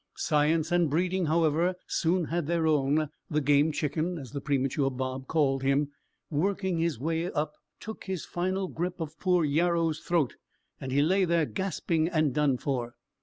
Science and breeding, however, soon had their own; the Game Chicken, as the premature Bob called him, working his way up, took his final grip of poor Yarrow's throat and he lay gasping and done for.